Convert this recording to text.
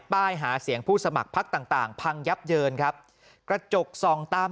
ป้ายหาเสียงผู้สมัครพักต่างต่างพังยับเยินครับกระจกส่องตาม